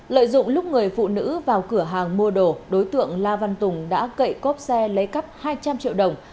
lợi dụng lúc người phụ nữ vào cửa hàng mua đồ đối tượng la văn tùng đã cậy cốp xe lấy cắp hai trăm linh triệu đồng